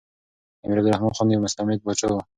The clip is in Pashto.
امیر عبدالرحمن خان یو مستبد پاچا و.